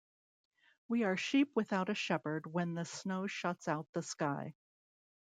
We are sheep without a shepherd when the snow shuts out the sky.